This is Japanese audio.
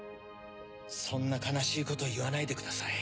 そんな悲しいこと言わないでください。